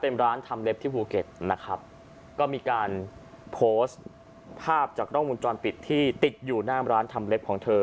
เป็นร้านทำเล็บที่ภูเก็ตนะครับก็มีการโพสต์ภาพจากกล้องมุมจรปิดที่ติดอยู่หน้าร้านทำเล็บของเธอ